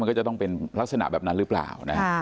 ก็จะต้องเป็นลักษณะแบบนั้นหรือเปล่านะ